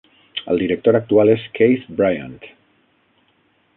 El director actual és Keith Bryant.